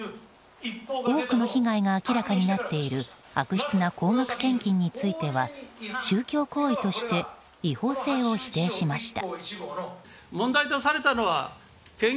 多くの被害が明らかになっている悪質な高額献金については宗教行為として違法性を否定しました。